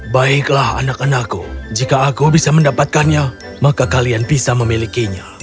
baiklah anak anakku jika aku bisa mendapatkannya maka kalian bisa memilikinya